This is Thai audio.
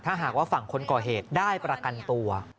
ถ้าหากว่าฝั่งคนก่อเหตุได้ประกันตัว